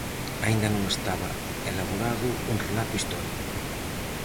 Aínda non estaba elaborado un relato histórico.